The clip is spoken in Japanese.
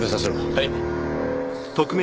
はい。